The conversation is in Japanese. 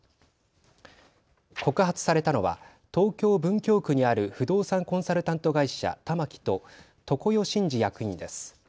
告発されたのは東京文京区にある不動産コンサルタント会社、たまきと常世眞司役員です。